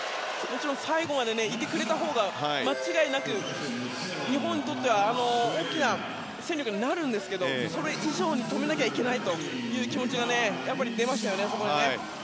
最後までいてくれたほうが間違いなく日本にとっては大きな戦力になるんですけどそれ以上に止めなきゃいけない気持ちが出ましたね。